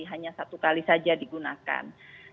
hanya satu kali saja digunakan